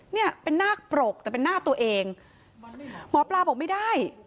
เนี่ยเป็นนาคปรกแต่เป็นหน้าตัวเองหมอปลาบอกไม่ได้